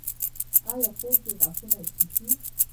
ایا خوب کې غاښونه چیچئ؟